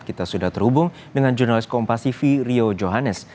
kita sudah terhubung dengan jurnalis kompasifi rio johannes